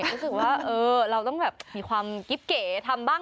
รู้สึกว่าเออเราต้องแบบมีความกิ๊บเก๋ทำบ้าง